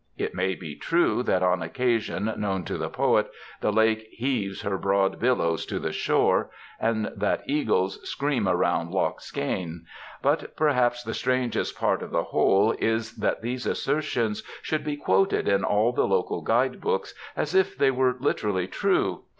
It may be true that on occasions known to the poet the lake ^' heaves her broad billows to the shore,^ and that eagles scream around Loch Skene. But perhaps the strangest part of the whole is, that these assertions should be quoted in all the local guide books as if they were literally true.